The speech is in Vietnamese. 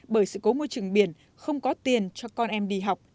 bởi sự cố môi trường biển không có tiền cho con em đi học